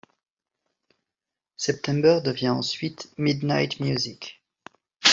September devient ensuite Midnight Music.